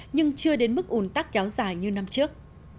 nhưng chưa đến mức ủn tắc kéo dài như năm trước